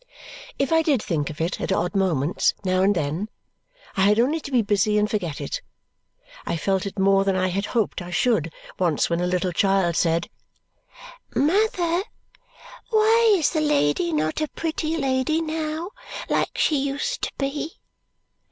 If I did think of it at odd moments now and then, I had only to be busy and forget it. I felt it more than I had hoped I should once when a child said, "Mother, why is the lady not a pretty lady now like she used to be?"